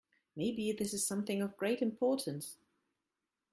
Maybe this is something of great importance.